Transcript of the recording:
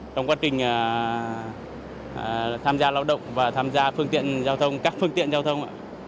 trong quá trình tham gia lao động và tham gia phương tiện giao thông các phương tiện giao thông